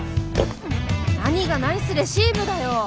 もう何がナイスレシーブだよ。